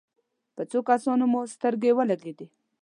په څو کسانو مو سترګې ولګېدې.